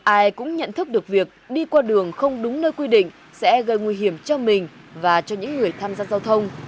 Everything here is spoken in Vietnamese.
ai cũng nhận thức được việc đi qua đường không đúng nơi quy định sẽ gây nguy hiểm cho mình và cho những người tham gia giao thông